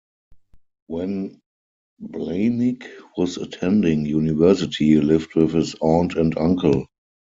When Blahnik was attending university, he lived with his aunt and uncle.